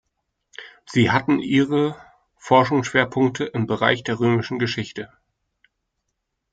Sie hatten ihre Forschungsschwerpunkte im Bereich der römischen Geschichte.